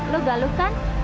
lo galuh kan